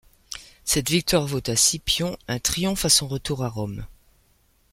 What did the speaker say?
Cette victoire vaut à Scipion un triomphe à son retour à Rome.